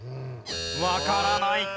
わからない。